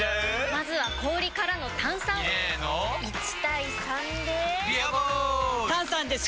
まずは氷からの炭酸！入れの１：３で「ビアボール」！